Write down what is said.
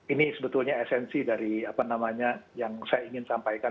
ini sebetulnya esensi dari apa namanya yang saya ingin sampaikan